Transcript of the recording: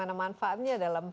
ekspedisi indonesia prima